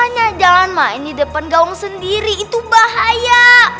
makanya jangan main di depan gaung sendiri itu bahaya